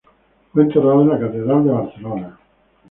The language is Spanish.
Fue enterrado en la Catedral de Barcelona.